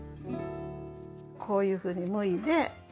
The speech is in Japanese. こういうふうにむいで。